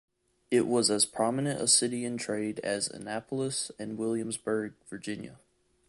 It was as prominent a city in trade as Annapolis and Williamsburg, Virginia.